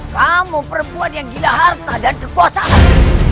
kamu perempuan yang gila harta dan kekuasaan